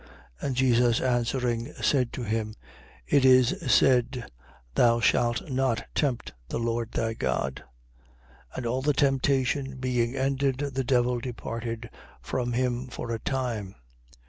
4:12. And Jesus answering, said to him: It is said: Thou shalt not tempt the Lord thy God. 4:13. And all the temptation being ended, the devil departed from him for a time.